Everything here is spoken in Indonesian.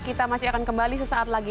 kita masih akan kembali sesaat lagi